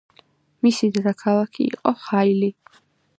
მისი დედაქალაქი იყო ჰაილი.